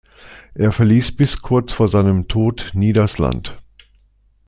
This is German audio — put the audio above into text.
Er verließ bis kurz vor seinem Tod nie das Land.